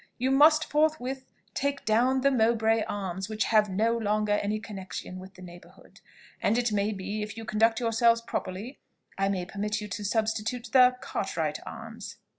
You must forthwith take down the Mowbray Arms, which have no longer any connexion with the neighbourhood; and it may be, if you conduct yourselves properly, I may permit you to substitute the Cartwright Arms."